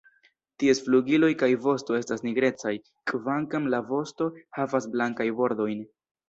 Ties flugiloj kaj vosto estas nigrecaj, kvankam la vosto havas blankajn bordojn.